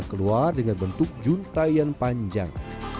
keluar dengan bentuk juntayan panjang